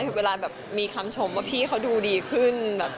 คือเวลาแบบมีคำชมว่าพี่เขาดูดีขึ้น